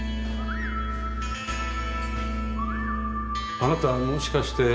あなたもしかして。